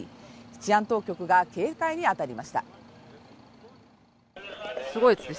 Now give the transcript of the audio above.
治安当局が警戒に当たりましたすごいですね